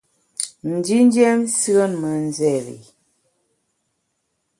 Ndindiem nsùen me nzéri i.